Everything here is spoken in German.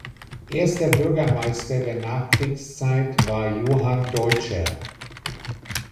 Erster Bürgermeister der Nachkriegszeit war Johann Deutscher.